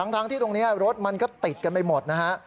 ทั้งที่ตรงนี้รถมันก็ติดกันไปหมดนะฮะ